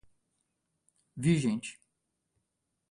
vigente